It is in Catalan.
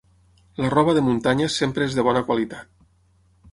La roba de muntanya sempre és de bona qualitat.